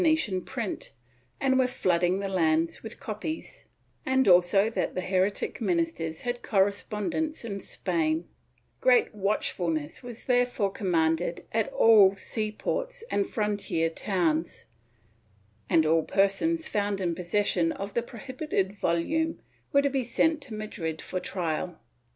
» Ibidem, Lib. 82, fol. 16; Lib. 942, fol. 31. Chap. Ill] MISSIONARY EFFORTS 451 imprint, and were flooding the land with copies, and also that the heretic ministers had correspondents in Spain. Great watch fulness was therefore commanded at all sea ports and frontier towns, and all persons found in possession of the prohibited volume were to be sent to Madrid for trial.